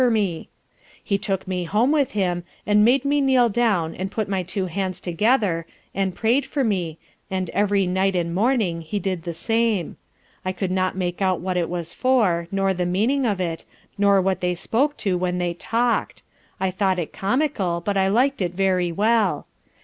for me. He took me home with him, and made me kneel down, and put my two hands together, and pray'd for me, and every night and morning he did the same. I could not make out what it was for, nor the meaning of it, nor what they spoke to when they talk'd I thought it comical, but I lik'd it very well.